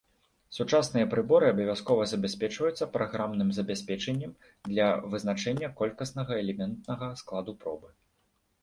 Сучасныя прыборы абавязкова забяспечваюцца праграмным забеспячэннем для вызначэння колькаснага элементнага складу пробы.